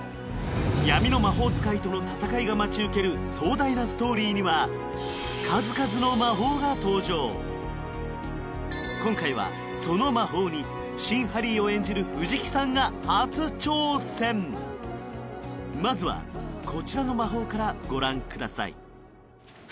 闇の魔法使いとの戦いが待ち受ける壮大なストーリーには今回はその魔法に新ハリーを演じる藤木さんが初挑戦まずはこちらの魔法からご覧ください